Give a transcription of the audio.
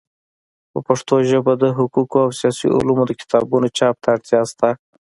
په پښتو ژبه د حقوقو او سیاسي علومو د کتابونو چاپ ته اړتیا سته.